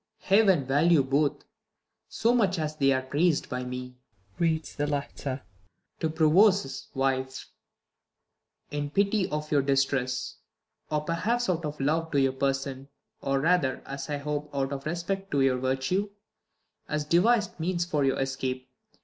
Claud. Heaven value both, so much as they Are priz'd by me [lieads the letter. THE LAW AGAINST LOVERS. 185 The Provost's wife, in pity of your distress ; or perhaps out of love to your person, or rather, as I hope, out of respect to your virtue, has devis'd means for your escape.